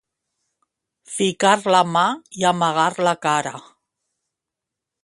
Ficar la mà i amagar la cara.